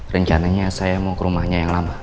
rencananya saya mau ke rumahnya yang lama